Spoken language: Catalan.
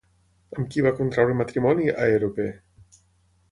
Amb qui va contraure matrimoni Aèrope?